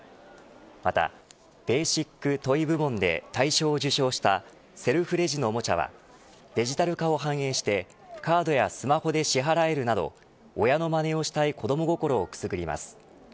またベーシック・トイ部門で大賞を受賞したセルフレジのおもちゃはデジタル化を反映してカードやスマホで支払えるなど親のまねをしたい子ども心をくすぐります。